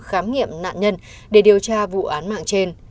khám nghiệm nạn nhân để điều tra vụ án mạng trên